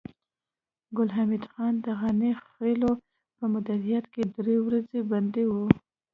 ګل حمید خان د غني خېلو په مدیریت کې درې ورځې بندي و